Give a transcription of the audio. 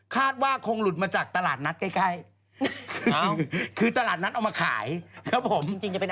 คาดว่าคงหลุดมาจากตลาดนัทใกล้คือตลาดนัทเอามาขายครับผม